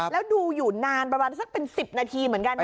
แล้วดูอยู่นานประมาณสักเป็น๑๐นาทีเหมือนกัน